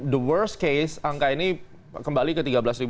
the worst case angka ini kembali ke tiga belas